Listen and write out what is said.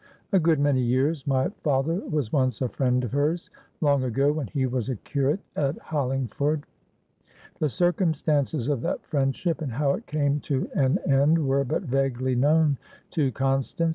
"A good many years. My father was once a friend of herslong ago, when he was a curate at Hollingford." The circumstances of that friendship, and how it came to an end, were but vaguely known to Constance.